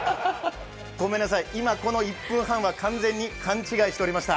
ごめんなさい、この１分半は完全に勘違いしておりました。